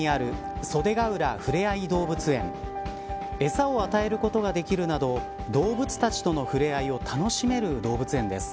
餌を与えることができるなど動物たちとの触れ合いを楽しめる動物園です。